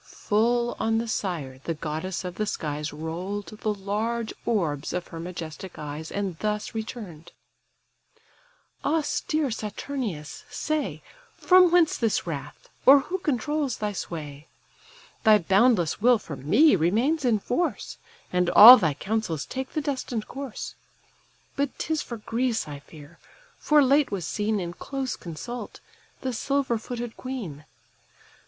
Full on the sire the goddess of the skies Roll'd the large orbs of her majestic eyes, And thus return'd:—"Austere Saturnius, say, From whence this wrath, or who controls thy sway? Thy boundless will, for me, remains in force, And all thy counsels take the destined course. But 'tis for Greece I fear: for late was seen, In close consult, the silver footed queen.